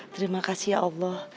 terima kasih ya allah